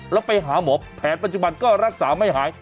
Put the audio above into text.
แล้วไปหาหมอแผนปัจจุบันก็รักษาไม่หาย